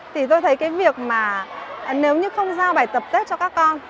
thì tôi thấy cái việc mà nếu như không giao bài tập tết cho các con